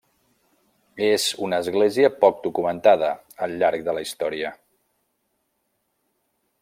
És una església poc documentada, al llarg de la història.